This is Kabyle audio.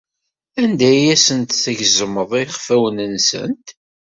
Anda ay asent-tgezmeḍ iɣfawen-nsent?